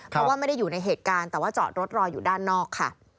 เพราะว่าไม่ได้อยู่ในเหตุการณ์แต่ว่าจอดรถรออยู่ด้านนอกค่ะ